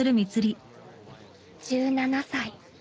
［１７歳。